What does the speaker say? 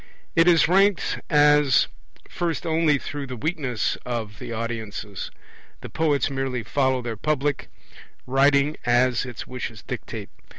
It is ranked as first only through the weakness of the audiences; the poets merely follow their public, writing as its wishes dictate.